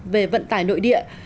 về vận tải nội địa